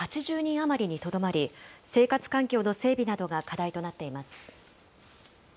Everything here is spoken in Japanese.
ただ、町内に住むのは８０人余りにとどまり、生活環境の整備などが課題となっています。